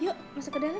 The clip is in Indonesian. yuk masuk ke dalam jun